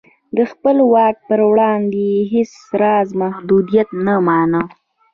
د خپل واک پر وړاندې یې هېڅ راز محدودیت نه مانه.